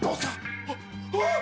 あっああ！